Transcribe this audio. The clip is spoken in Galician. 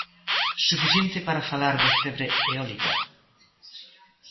Suficiente para falar de "febre eólica"?